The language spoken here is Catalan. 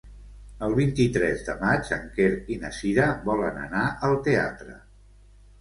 El vint-i-tres de maig en Quer i na Cira volen anar al teatre.